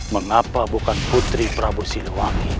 mengapa bukan putri prabu siliwangi